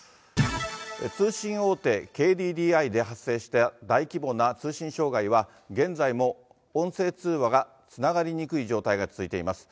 通信大手、ＫＤＤＩで発生した大規模な通信障害は、現在も音声通話がつながりにくい状態が続いています。